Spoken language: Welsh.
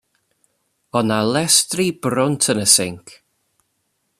O'dd 'na lestri brwnt yn y sinc.